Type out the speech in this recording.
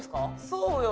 そうよ！